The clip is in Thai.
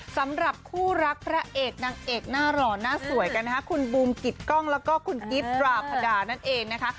สำหรับคู่รักพระเอกนางเอกหน้าหล่อหน้าสวยกันนะคะคุณบูมกิตกล้องแล้วก็คุณกิฟต์ดราพดานั่นเองนะคะ